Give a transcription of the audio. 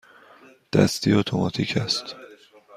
دستی یا اتوماتیک است؟